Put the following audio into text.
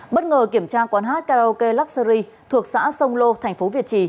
bất ngờ kiểm tra quán hát karaoke luxury thuộc xã sông lô thành phố việt trì